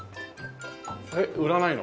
えっ売らないの？